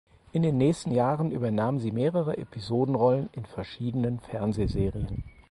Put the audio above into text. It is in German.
In den nächsten Jahren übernahm sie mehrere Episodenrollen in verschiedenen Fernsehserien.